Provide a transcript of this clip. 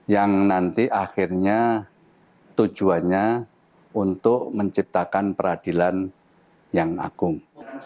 yang nanti akhirnya tujuannya untuk menciptakan peradilan yang agung